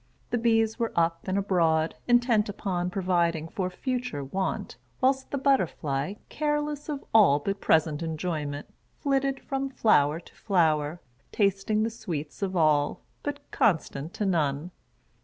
The bees were up and abroad, intent upon providing for future want; whilst the butterfly, careless of all but present enjoyment, flitted from flower to flower, tasting the sweets of all, but constant to none.